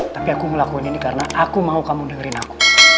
tapi aku ngelakuin ini karena aku mau kamu dengerin aku